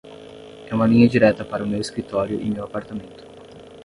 É uma linha direta para o meu escritório e meu apartamento.